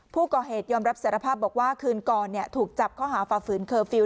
ผู้ก่อเหตุยอมรับสารภาพบอกว่าคืนก่อนถูกจับข้อหาฝ่าฝืนเคอร์ฟิลล